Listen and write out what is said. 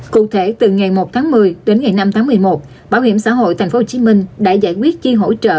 cụ thể từ ngày một tháng một mươi đến ngày năm tháng một mươi một bảo hiểm xã hội tp hcm đã giải quyết chi hỗ trợ